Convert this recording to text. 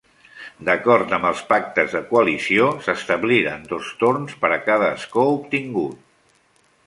D'acord amb els pactes de coalició, s'establiren dos torns per a cada escó obtingut.